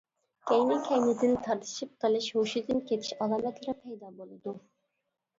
كەينى-كەينىدىن تارتىشىپ قېلىش، ھوشىدىن كېتىش ئالامەتلىرى پەيدا بولىدۇ.